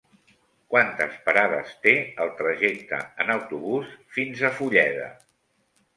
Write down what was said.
Quantes parades té el trajecte en autobús fins a Fulleda?